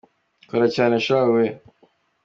kora cyane shahu we